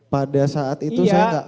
pada saat itu saya tidak